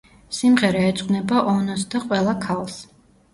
სიმღერა ეძღვნება ონოს და ყველა ქალს.